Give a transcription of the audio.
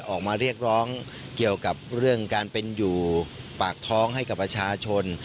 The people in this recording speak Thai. ออกมาเรียกร้องเกี่ยวกับเรื่องการเป็นอยู่ปากท้องให้กับประชาชน